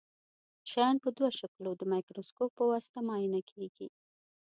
شیان په دوه شکلو د مایکروسکوپ په واسطه معاینه کیږي.